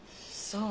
そう。